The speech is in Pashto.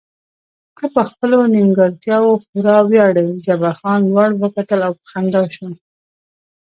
ته په خپلو نیمګړتیاوو خورا ویاړې، جبار خان لوړ وکتل او په خندا شو.